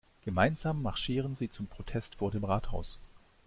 Gemeinsam marschieren sie zum Protest vor dem Rathaus.